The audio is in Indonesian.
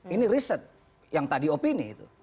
ini riset yang tadi opini itu